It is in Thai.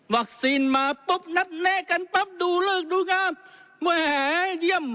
วัคซีนมาปุ๊บนัดแน่กันปั๊บดูลืกดูงามมวยแหย่เยี่ยม